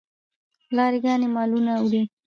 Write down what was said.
لاری ګانې مالونه وړي.